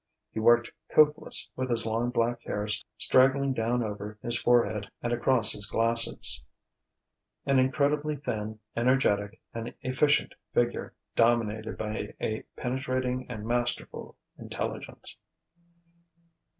He worked coatless, with his long black hair straggling down over his forehead and across his glasses: an incredibly thin, energetic, and efficient figure, dominated by a penetrating and masterful intelligence.